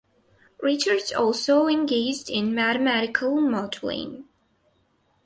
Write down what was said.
Richards also engaged in mathematical modeling.